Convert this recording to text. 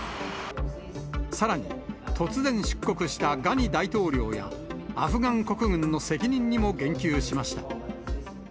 さらに、突然出国したガニ大統領や、アフガン国軍の責任にも言及しました。